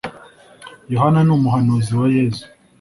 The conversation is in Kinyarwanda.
yohana ni umuhanuzi wa yezu.